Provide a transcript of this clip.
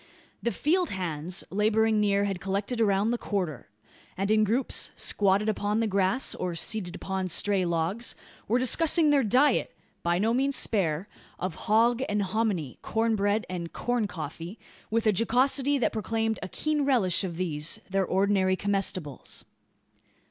The "field hands" labouring near had collected around the "quarter;" and in groups, squatted upon the grass, or seated upon stray logs, were discussing their diet by no means spare of "hog and hominy" corn bread and "corn coffee," with a jocosity that proclaimed a keen relish of these, their ordinary comestibles.